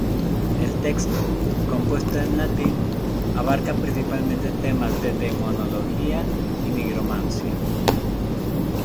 El texto, compuesto en latín, abarca principalmente temas de demonología y nigromancia.